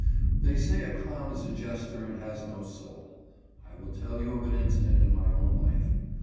They say a clown is a jester and has no soul. I will tell you of an incident in my own life.